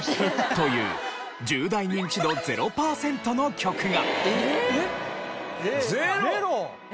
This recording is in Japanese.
という１０代ニンチド０パーセントの曲が。